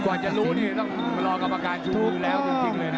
กว่าจะรู้นี่ต้องรอกรรมการชู้อยู่แล้วจริงเลยนะ